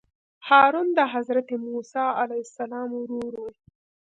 هارون د حضرت موسی علیه السلام ورور وو.